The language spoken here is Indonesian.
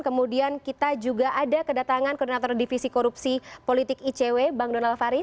kemudian kita juga ada kedatangan koordinator divisi korupsi politik icw bang donald faris